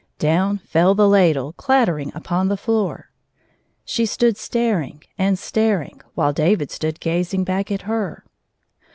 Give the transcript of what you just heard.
Down fell the ladle clattering upon the floor. She stood staring and staring while David stood gazing back at her.